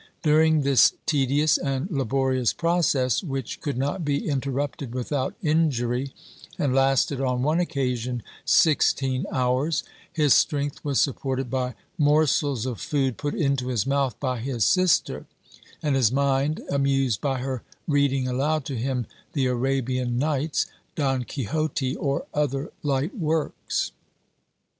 During this tedious and laborious process (which could not be interrupted without injury, and lasted on one occasion sixteen hours), his strength was supported by morsels of food put into his mouth by his sister, and his mind amused by her reading aloud to him the Arabian Nights, Don Quixote, or other light works.